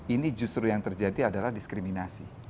ini justru yang terjadi adalah diskriminasi